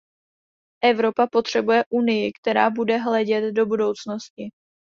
Evropa potřebuje Unii, která bude hledět do budoucnosti.